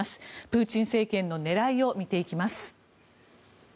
プーチン政権の狙いを見ていきます。